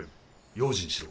用心しろ。